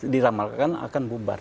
diramalkan akan bubar